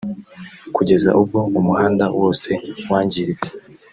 kugeza ubwo umuhanda wose wangiritse”